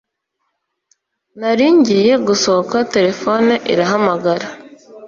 Nari ngiye gusohoka telefone irahamagara